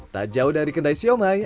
tak jauh dari kedai siomay